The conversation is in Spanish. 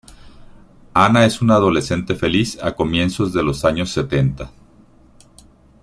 Ana es una adolescente feliz a comienzos de los años setenta.